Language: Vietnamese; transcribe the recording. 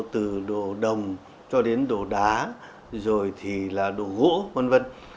từ đồ đồng cho đến đồ đá rồi thì là đồ gỗ v v